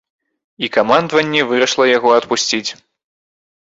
І камандаванне вырашыла яго адпусціць.